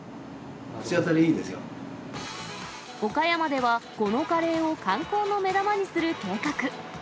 口当たりいい岡山では、このカレーを観光の目玉にする計画。